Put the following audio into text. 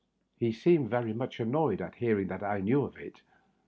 He seemed very much an noyed at hearing that I knew of it.